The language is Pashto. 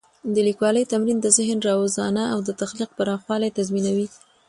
د لیکوالي تمرین د ذهن روزنه او د تخلیق پراخوالی تضمینوي.